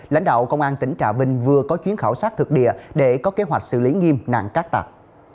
lãnh đạo công an tỉnh trà vinh vừa có chuyến khảo sát thực địa để có kế hoạch xử lý nghiêm nạn cát tặc